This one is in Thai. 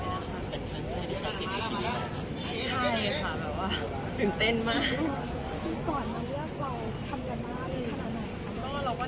เราได้ตื่นเต้นมาก